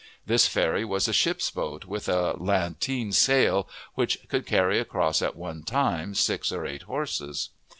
This ferry was a ship's boat, with a latteen sail, which could carry across at one time six or eight horses.